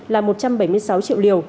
là một trăm bảy mươi sáu triệu liều